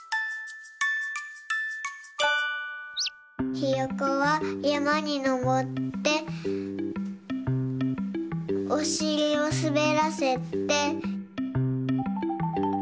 ひよこはやまにのぼっておしりをすべらせて。